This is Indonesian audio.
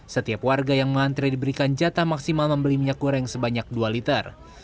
setiap warga yang mengantre diberikan jatah maksimal membeli minyak goreng sebanyak dua liter